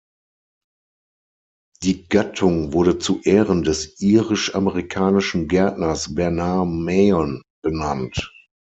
Die Gattung wurde zu Ehren des irisch-amerikanischen Gärtners Bernard M’Mahon benannt.